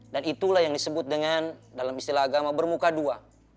dan itulah yang disebut dengan dalam istilah agama bermuka dua